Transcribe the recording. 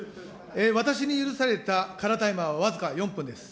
私に許されたカラータイマーは僅か４分です。